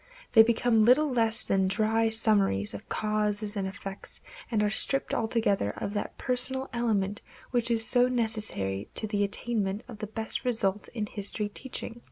They become little less than dry summaries of causes and effects and are stripped altogether of that personal element which is so necessary to the attainment of the best results in history teaching.